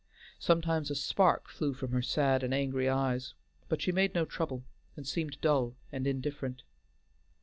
Sometimes a spark flew from her sad and angry eyes, but she made no trouble, and seemed dull and indifferent.